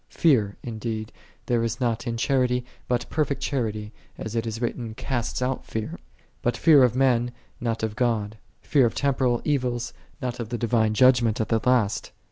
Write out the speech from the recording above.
8 " Fear," in " there is not in charity, but perfect chanty," as it is written, " casteth (jut fear:"' but fear of men, not of (lod: fear ! of temporal evils, not of the Divine Judgment. 1 at the last.